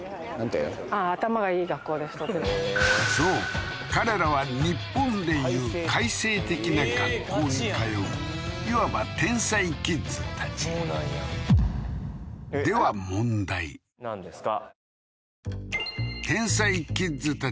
そう彼らは日本でいう開成的な学校に通ういわば天才キッズたちそうなんやではなんですか？